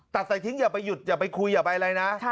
ตัดใส่ทิ้งอย่าไปหยุดอย่าไปคุยอย่าไปอะไรนะ